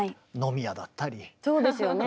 そうですよね。